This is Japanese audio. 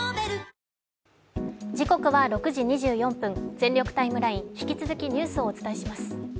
「全力ＴＩＭＥライン」、引き続きニュースをお伝えします。